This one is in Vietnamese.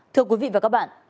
thưa quý vị và các bạn